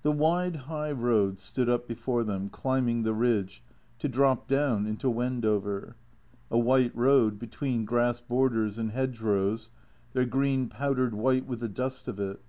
The wide high road stood up before them, climbing the ridge, to drop down into Wendover. A white road, between grass bor ders and hedgerows, their green powdered white with the dust of it.